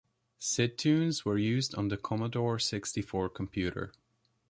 Sidtunes were used on the Commodore sixty four computer.